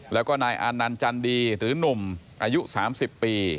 แล้วก็นายอานันต์จันดีหรือหนุ่มอายุ๓๐ปี